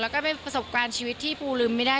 แล้วก็เป็นประสบการณ์ชีวิตที่ปูลืมไม่ได้